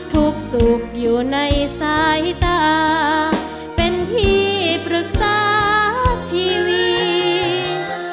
ทุกข์สุขอยู่ในสายตาเป็นที่ปรึกษาชีวิต